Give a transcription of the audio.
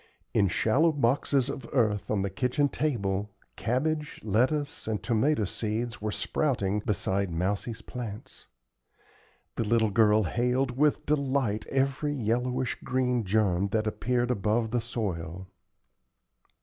In shallow boxes of earth on the kitchen table, cabbage, lettuce, and tomato seeds were sprouting beside Mousie's plants. The little girl hailed with delight every yellowish green germ that appeared above the soil.